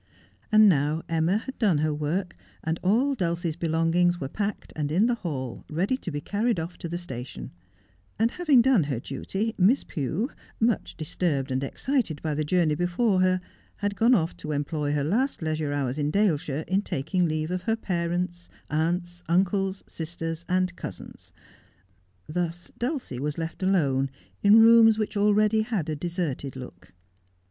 And now Emma had done her work, and all Dulcie's belong ings were packed and in the hall ready to be carried off to the station ; and, having done her duty, Miss Pew, much disturbed and excited by the journey before her, had gone off to employ her last leisure hours in Daleshire in taking leave of her parents, aunts, uncles, sisters, and cousins. Thus Dulcie was left alone in rooms which already had a deserted look.